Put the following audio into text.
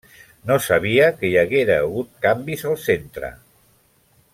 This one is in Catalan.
No sabia que hi haguera hagut canvis, al centre.